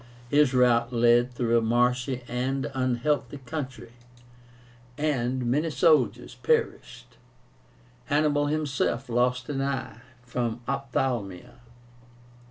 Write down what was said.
His route led through a marshy and unhealthy country, and many soldiers perished. Hannibal himself lost an eye from ophthalmia.